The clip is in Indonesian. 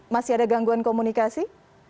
masih ada gangguan komunikasi